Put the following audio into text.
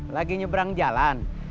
lagi nyebrang jalan